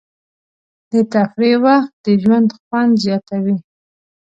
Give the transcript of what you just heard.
د تفریح وخت د ژوند خوند زیاتوي.